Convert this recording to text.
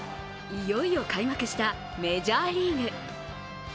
いよいよ開幕したメジャーリーグ。